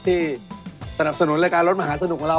ที่สนับสนุนรายการรถมหาสนุกของเรา